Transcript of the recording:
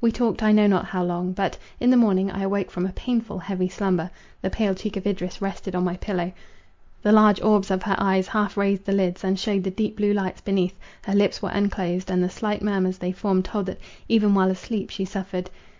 We talked—I know not how long—but, in the morning I awoke from a painful heavy slumber; the pale cheek of Idris rested on my pillow; the large orbs of her eyes half raised the lids, and shewed the deep blue lights beneath; her lips were unclosed, and the slight murmurs they formed told that, even while asleep, she suffered.